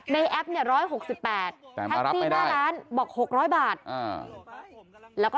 แท็กซี่หน้าร้านบอก๖๐๐บาท